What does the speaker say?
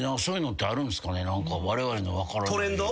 トレンド？